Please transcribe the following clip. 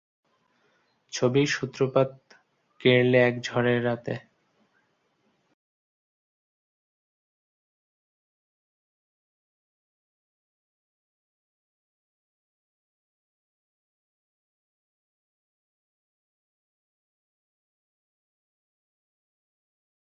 গ্রামাঞ্চলে তারা তাদের কার্যক্রম, সংস্কৃতি এবং ঐতিহ্য নিয়ে পৃথকভাবে বসবাস করছে।